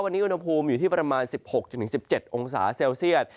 วันนี้อุณหภูมิอยู่ที่ประมาณ๑๖๑๗องศาเซลเซียต